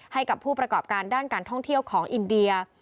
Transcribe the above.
ให้กับผู้ประกอบการด้านการท่องเที่ยวของอินเดีย